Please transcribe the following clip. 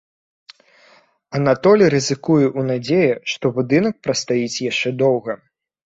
Анатоль рызыкуе ў надзеі, што будынак прастаіць яшчэ доўга.